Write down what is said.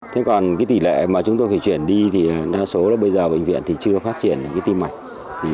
thế còn tỷ lệ mà chúng tôi phải chuyển đi thì đa số là bây giờ bệnh viện thì chưa phát triển được tim mạch